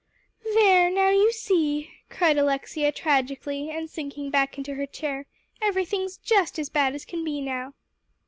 "There, now, you see," cried Alexia tragically, and sinking back in her chair; "everything's just as bad as can be now."